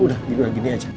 udah gitu aja